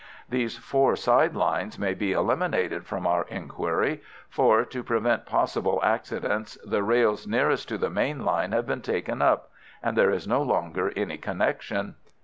These four side lines may be eliminated from our inquiry, for, to prevent possible accidents, the rails nearest to the main line have been taken up, and there is no longer any connection.